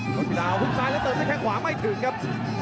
โกงเกดาวฮุกนายแล้วเติมเข้างขวาไม่ถึงครับ